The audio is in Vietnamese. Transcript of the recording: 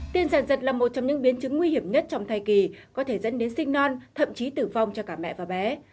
tiền giàn giật là một trong những biến chứng nguy hiểm nhất trong thai kỳ có thể dẫn đến sinh non thậm chí tử vong cho cả mẹ và bé